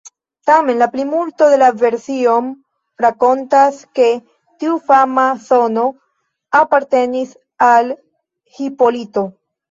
Tamen, la plimulto de la version rakontas ke tiu fama zono apartenis al Hipolito.